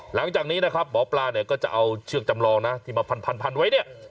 หลังจากนี้นะครับหมอปลาเนี่ยก็จะเอาเชือกจำลองนะที่มาพันไว้เนี่ย